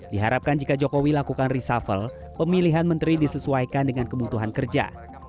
diharapkan jika jokowi lakukan reshuffle pemilihan menteri disesuaikan dengan kebutuhan kerja